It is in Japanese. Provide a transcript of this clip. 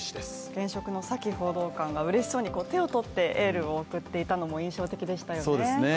現職のサキ報道官が嬉しそうにこう、手を取ってエールを送っていたのも印象的でしたよね。